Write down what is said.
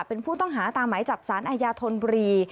เป็นผู้ต้องหาตามหมายจับสารอาญาธนบุรี